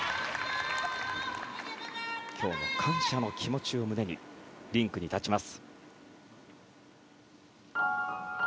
今日も感謝の気持ちを胸にリンクに立ちます。